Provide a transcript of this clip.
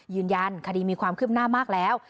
ยืนยันคดีมีความคืบหน้ามากแล้ว